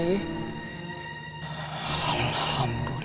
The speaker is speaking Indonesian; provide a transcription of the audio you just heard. tidak mungkin kita